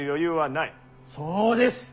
そうです。